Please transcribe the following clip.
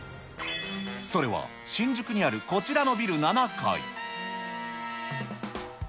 それは新宿にあるこちらのビル７階。